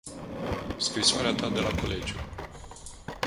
Scrisoarea ta de la colegiu.